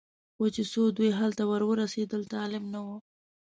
خو چې څو دوی هلته ور ورسېدل طالب نه و.